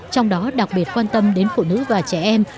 trong đó đặc biệt quan tâm đến phụ nữ và trẻ em